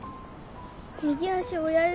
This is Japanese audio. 右足親指